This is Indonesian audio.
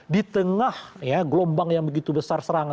di tengah gelombang yang begitu besar serangan